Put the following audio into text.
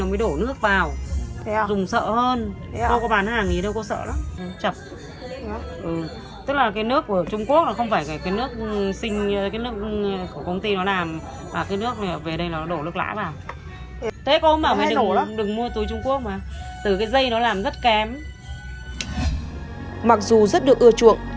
mặc dù rất được ưa chuộng